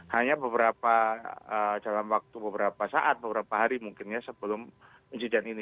hanya beberapa dalam waktu beberapa saat beberapa hari mungkin ya sebelum insiden ini